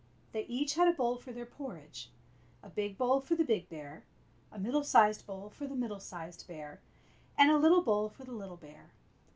They each had a bowl for their porridge — a big bowl for the big bear, a middle sized bowl for the middle sized bear, and a little bowl for the little bear.